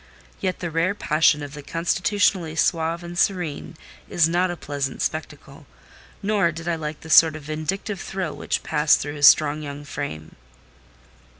Yet the rare passion of the constitutionally suave and serene, is not a pleasant spectacle; nor did I like the sort of vindictive thrill which passed through his strong young frame.